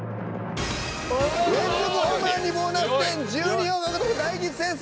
連続ホームランにボーナス点１２票獲得大吉先生。